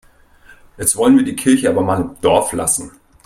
Jetzt wollen wir die Kirche aber mal im Dorf lassen.